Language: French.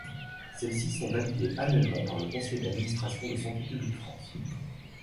Celles-ci sont validées annuellement par le Conseil d’Administration de Santé Publique France.